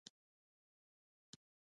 آیا د قشقري د تیلو بلاک استخراج کیږي؟